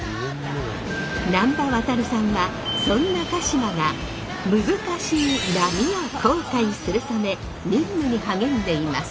難波航海さんはそんな「かしま」が難しい波を航海するため任務に励んでいます。